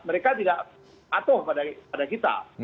mereka tidak patuh pada kita